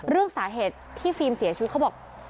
เรื่องสาเหตุที่ฟิล์มเสียชีวิตเขาบอก